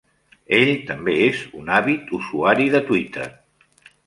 Ell també és un àvid usuari de Twitter.